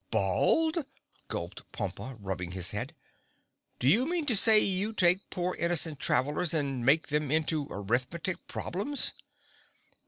"Bald!" gulped Pompa, rubbing his head. "Do you mean to say you take poor innocent travelers and make them into arithmetic problems?"